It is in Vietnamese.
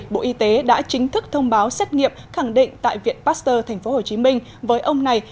bộ y tế đã chính thức thông báo xét nghiệm khẳng định tại viện pasteur tp hcm với ông này